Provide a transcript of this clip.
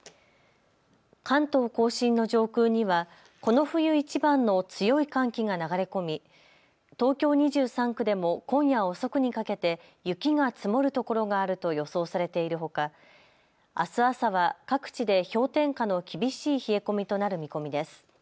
関東甲信の上空にはこの冬いちばんの強い寒気が流れ込み東京２３区でも今夜遅くにかけて雪が積もるところがあると予想されているほか、あす朝は各地で氷点下の厳しい冷え込みとなる見込みです。